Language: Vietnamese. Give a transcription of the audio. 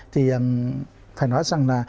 thì phải nói rằng là